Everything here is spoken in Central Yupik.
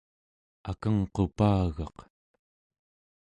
akengqupagaq